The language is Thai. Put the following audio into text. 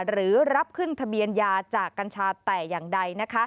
หรือรับขึ้นทะเบียนยาจากกัญชาแต่อย่างใด